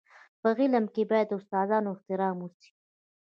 په علم کي باید د استادانو احترام وسي.